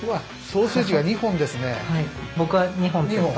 ソーセージが２本ですね。